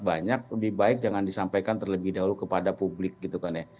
banyak lebih baik jangan disampaikan terlebih dahulu kepada publik gitu kan ya